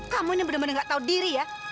kamu ini bener bener gak tahu diri ya